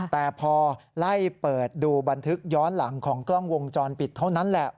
แต่พอไล่เปิดดูบันทึกย้อนหลังของกล้องวงจรปิดเท่านั้นแหละ